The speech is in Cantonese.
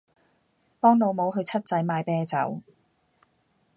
幫老母去七仔買啤酒